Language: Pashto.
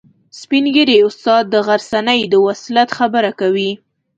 سپین ږیری استاد د غرڅنۍ د وصلت خبره کوي.